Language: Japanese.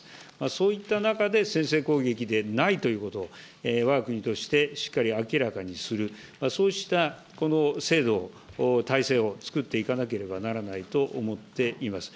そういった中で先制攻撃でないということ、わが国としてしっかり明らかにする、そうした制度、体制をつくっていかなければならないと思っています。